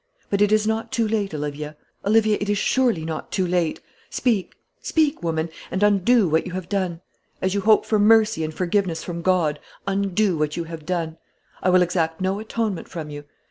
But it is not too late, Olivia; Olivia, it is surely not too late. Speak, speak, woman, and undo what you have done. As you hope for mercy and forgiveness from God, undo what you have done. I will exact no atonement from you.